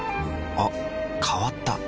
あ変わった。